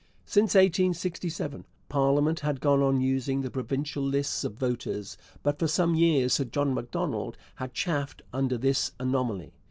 Since 1867 parliament had gone on using the provincial lists of voters, but for some years Sir John Macdonald had chafed under this anomaly.